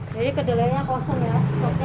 jadi kedelainya kosong ya